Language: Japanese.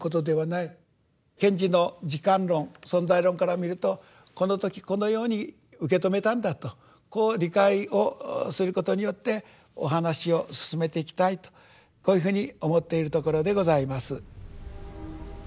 賢治の時間論存在論から見るとこの時このように受け止めたんだとこう理解をすることによってお話を進めていきたいとこういうふうに思っているところでございます。